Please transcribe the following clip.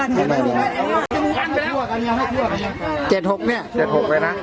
๗๖เนี่ย๗๖เลยนะ